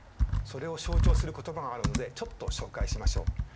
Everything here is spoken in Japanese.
それを象徴する言葉があるのでちょっと紹介しましょう。